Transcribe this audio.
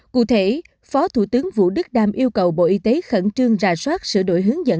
cụ thể phó thủ tướng vũ đức đam yêu cầu bộ y tế khẩn trương ra soát sửa đổi hướng dẫn